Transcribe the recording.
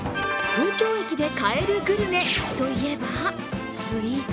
東京駅で買えるグルメといえばスイーツ？